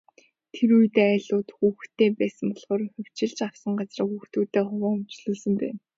Тэр үед, айлууд олон хүүхэдтэй байсан болохоор хувьчилж авсан газраа хүүхдүүддээ хуваан өмчлүүлсэн байна.